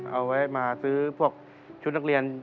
เอาไว้มาซื้อพวกชุดนักเรียน